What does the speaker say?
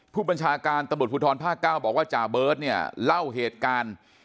ผู้บัญชาการตำรวจภูทรภาค๙บอกว่าจ่าเบิร์ตเนี่ยเล่าเหตุการณ์